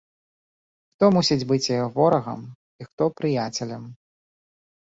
Хто мусіць быць яе ворагам і хто прыяцелем?